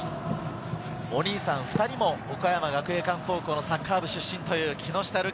お兄さん２人も岡山学芸館高校の出身という木下瑠己。